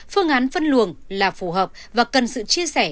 phương án phân luồng là phù hợp và cần sự chia sẻ